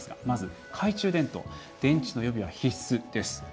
まず懐中電灯電池の予備は必須です。